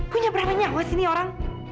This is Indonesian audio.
punya berapa nyawa sih ini orang